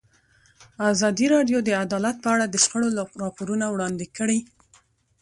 ازادي راډیو د عدالت په اړه د شخړو راپورونه وړاندې کړي.